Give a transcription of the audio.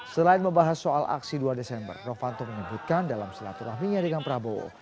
selain membahas soal aksi dua desember novanto menyebutkan dalam silaturahminya dengan prabowo